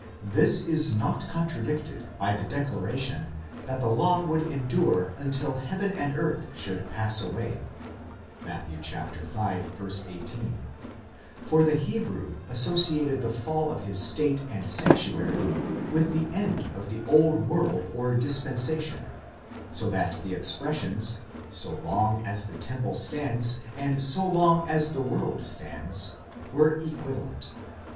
This is not contradicted by the declaration that the law would endure until heaven and earth should pass away (Matt. v. 18), for the Hebrew associated the fall of his state and sanctuary with the end of the old world or dispensation, so that the expressions, so long as the temple stands, and so long as the world stands, were equivalent.!